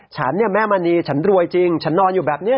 ฉันเนี่ยแม่มณีฉันรวยจริงฉันนอนอยู่แบบนี้